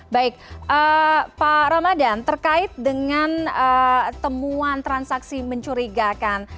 baik pak ramadan terkait dengan temuan transaksi mencurigakan